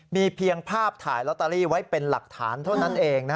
มีเพียงภาพถ่ายลอตเตอรี่ไว้เป็นหลักฐานเท่านั้นเอง